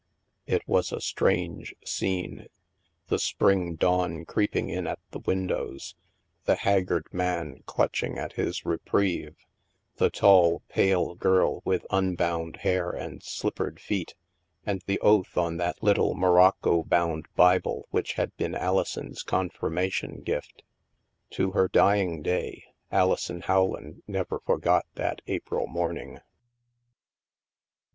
It was a strange scene. The spring dawn creep ing in at the windows, the haggard man clutching at his reprieve, the tall pale girl with unbound hair and slippered feet, and the oath on the little morocco bound Bible which had been Alison's confirmation gift. To her dying day, Alison Rowland never forgot that April morning.